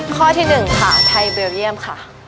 ข้อที่๑ค่ะไทยเบลเยี่ยมค่ะ